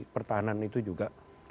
pertahanan itu juga